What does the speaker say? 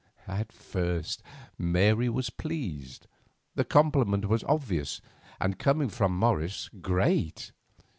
At first Mary was pleased, the compliment was obvious, and, coming from Morris, great.